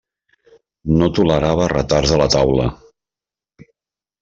No tolerava retards a la taula.